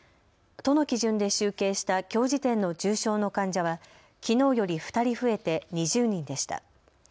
都の基準で集計したきょう時点の重症の患者はきのうより２人増えて２０人でした。